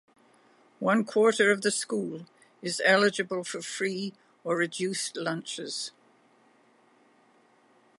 One quarter of the school is eligible for free or reduced lunches.